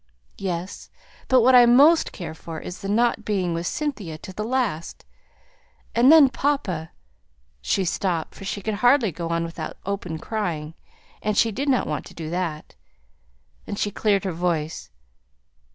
"Yes. But what I most care for is the not being with Cynthia to the last; and then, papa" she stopped, for she could hardly go on without open crying, and she did not want to do that. Then she cleared her voice.